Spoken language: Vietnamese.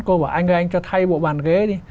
cô bảo anh ơi anh cho thay bộ bàn ghế đi